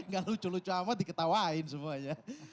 gak lucu lucu amat diketawain semuanya